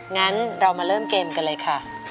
งั้นเรามาเริ่มเกมกันเลยค่ะ